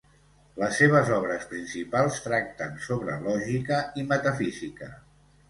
Les seves obres principals tracten sobre lògica i metafísica.